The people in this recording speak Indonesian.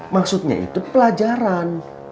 maksudnya itu pelajaran